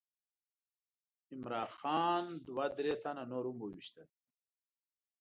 عمرا خان دوه درې تنه نور هم وویشتل.